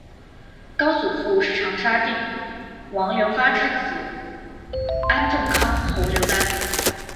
高祖父是长沙定王刘发之子安众康侯刘丹。